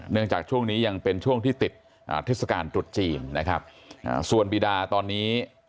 เนื่องจากช่วงนี้ยังเป็นช่วงที่ติดอาทิตย์สการตรุจจีนนะครับส่วนบีดาตอนนี้